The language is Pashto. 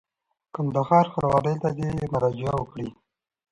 کندهار ښاروالۍ ته دي مراجعه وکړي.